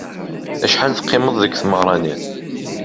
Acḥal teqqimeḍ deg tmeɣra-nni?